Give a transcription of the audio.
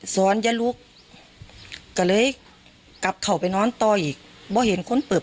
ซ้อนยะลูกก็เลยกลับเขาไปนอนต่ออีกบ่อเห็นคนเปิด